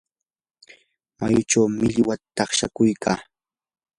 mayuchaw millwata takshakuy.